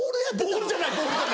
ボールじゃない。